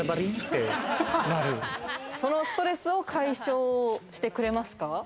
そのストレスを解消してくれますか？